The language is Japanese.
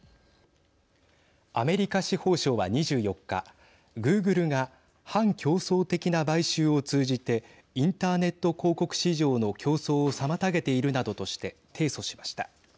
アメリカ司法省は２４日グーグルが反競争的な買収を通じてインターネット広告市場の競争を妨げているなどとして提訴しました。